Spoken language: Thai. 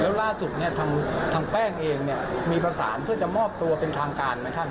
แล้วล่าสุดทำแป้งเองมีประสานเพื่อจะมอบตัวเป็นทางการไหมครับ